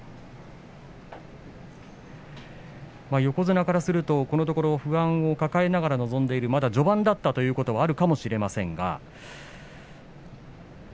横綱からすると、このところ不安を抱えながら臨んでいるまだ序盤だったというところもあるかもしれませんが。